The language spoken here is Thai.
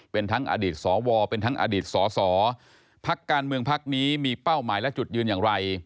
เป็นทั้งอดีตสวเป็นทั้งอดีตสอสอพักการเมืองพักนี้มีเป้าหมายและจุดยืนอย่างไร